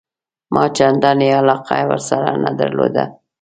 ما چنداني علاقه ورسره نه درلوده.